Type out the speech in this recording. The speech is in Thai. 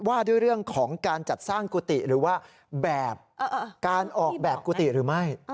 ว่าด้วยเรื่องของการจัดสร้างกุฏิหรือว่าแบบการออกแบบกุฏิหรือไม่